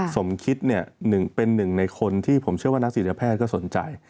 สมคิดเป็นหนึ่งในคนที่ผมเชื่อว่านักศิลแพทย์ก็สนใจ